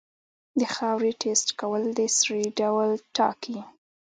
د خاورې ټیسټ کول د سرې ډول ټاکي.